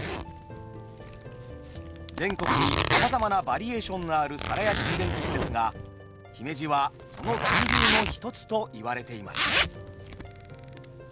全国にさまざまなバリエーションのある皿屋敷伝説ですが姫路はその源流の一つと言われています。